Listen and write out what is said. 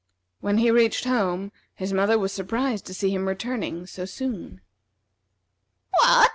When he reached home, his mother was surprised to see him returning so soon. "What!"